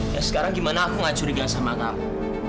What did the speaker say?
ya sekarang gimana aku gak curiga sama kamu